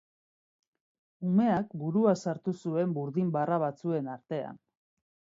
Umeak burua sartu zuen burdin barra batzuen artean.